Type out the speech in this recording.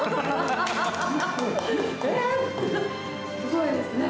すごいですね。